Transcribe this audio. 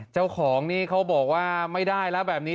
เจ้าของนี่เขาบอกว่าไม่ได้แล้วแบบนี้